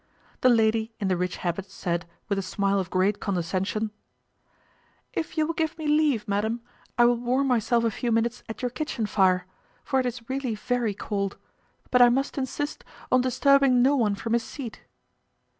The lady in the rich habit said, with a smile of great condescension, "If you will give me leave, madam, I will warm myself a few minutes at your kitchen fire, for it is really very cold; but I must insist on disturbing no one from his seat."